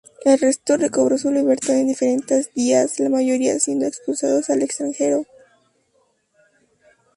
El resto recobró su libertad en diferentes días, la mayoría siendo expulsados al extranjero.